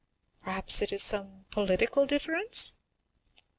"Perhaps it is some political difference?"